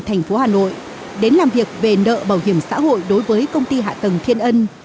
thành phố hà nội đến làm việc về nợ bảo hiểm xã hội đối với công ty hạ tầng thiên ân